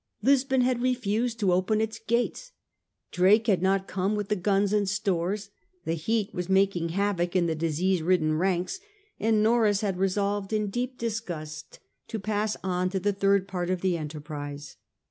Lisbon had refused to open its gates, Drake had not come with the guns and stores, the heat was making havoc in the disease stricken ranks, and Norreys had resolved in deep disgust to pass on to the third part of the enterprise.